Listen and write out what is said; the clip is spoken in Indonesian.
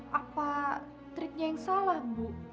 apa triknya yang salah bu